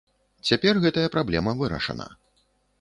Цяпер гэтая праблема вырашана.